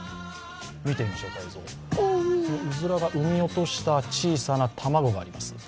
うずらが産み落とした小さな卵があります。